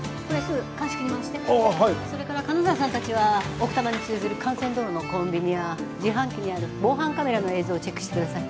それから金沢さんたちは奥多摩に通じる幹線道路のコンビニや自販機にある防犯カメラの映像をチェックしてください。